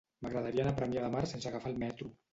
M'agradaria anar a Premià de Mar sense agafar el metro.